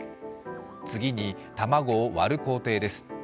次に卵を割る工程です。